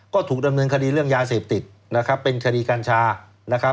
ก็ถูกดำเนินคดีเรื่องยาเสพติดเป็นคดีการชา